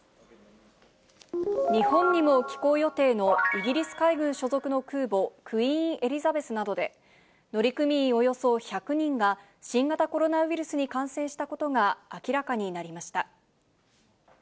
日本にも寄港予定のイギリス海軍所属の空母、クイーン・エリザベスなどで、乗組員およそ１００人が、新型コロナウイルスに感染したことが明らかになりました。